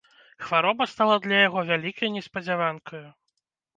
Хвароба стала для яго вялікай неспадзяванкаю.